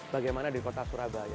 bagaimana di kota surabaya